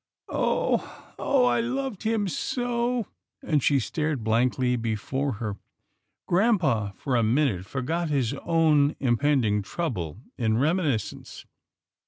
Oh ! Oh ! I loved him so," and she stared blankly before her. Grampa, for a minute, forgot his own impend ing trouble, in reminiscence.